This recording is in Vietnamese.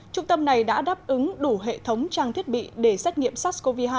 trung tâm này đã đáp ứng đủ hệ thống trang thiết bị để xét nghiệm sars cov hai